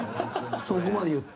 そこまで言って。